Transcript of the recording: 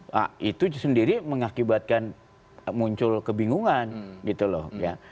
nah itu sendiri mengakibatkan muncul kebingungan gitu loh ya